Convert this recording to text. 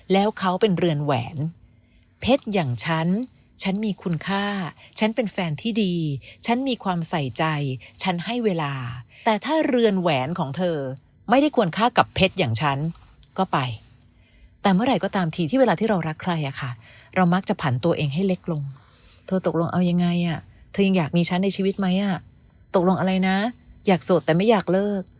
แล้วเขาเป็นเรือนแหวนเพชรอย่างฉันฉันมีคุณค่าฉันเป็นแฟนที่ดีฉันมีความใส่ใจฉันให้เวลาแต่ถ้าเรือนแหวนของเธอไม่ได้ควรฆ่ากับเพชรอย่างฉันก็ไปแต่เมื่อไหร่ก็ตามทีที่เวลาที่เรารักใครอ่ะค่ะเรามักจะผันตัวเองให้เล็กลงเธอตกลงเอายังไงอ่ะเธอยังอยากมีฉันในชีวิตไหมอ่ะตกลงอะไรนะอยากโสดแต่ไม่อยากเลิก